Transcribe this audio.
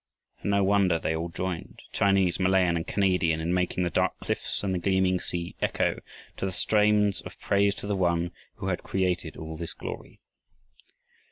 And no wonder they all joined Chinese, Malayan, and Canadian in making the dark cliffs and the gleaming sea echo to the strains of praise to the One who had created all this glory.